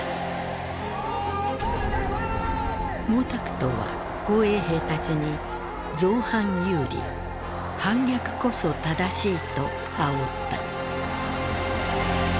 毛沢東は紅衛兵たちに「造反有理」「反逆こそ正しい」とあおった。